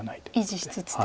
維持しつつと。